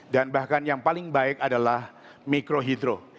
dan bahkan yang paling baik adalah mikro hidro